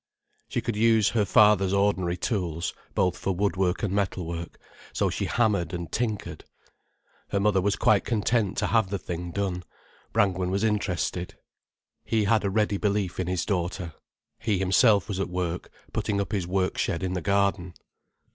She could use her father's ordinary tools, both for woodwork and metal work, so she hammered and tinkered. Her mother was quite content to have the thing done. Brangwen was interested. He had a ready belief in his daughter. He himself was at work putting up his work shed in the garden.